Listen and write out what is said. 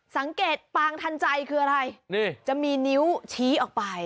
ปางปางทันใจคืออะไรนี่จะมีนิ้วชี้ออกไป